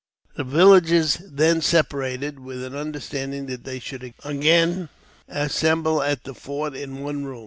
225 The villages then separated, with an understanding that they should again assemble at the fort in one moon.